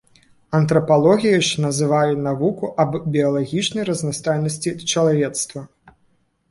Антрапалогіяй ж называлі навуку аб біялагічнай разнастайнасці чалавецтва.